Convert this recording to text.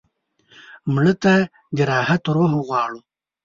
مړه ته د راحت روح غواړو